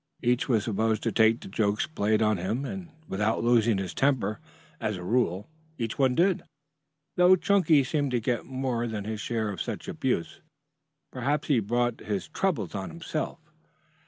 Each was supposed to take the jokes played on him and without losing his temper. As a rule each one did, though Chunky seemed to get more than his share of such abuse. Perhaps he brought his troubles on himself.